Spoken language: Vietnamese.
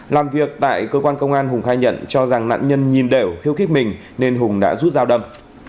làm việc tại cơ quan công an hùng khai nhận cho rằng nạn nhân nhìn đều khiêu khích mình nên hùng đã rút dao đâm